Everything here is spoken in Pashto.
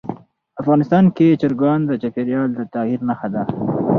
افغانستان کې چرګان د چاپېریال د تغیر نښه ده.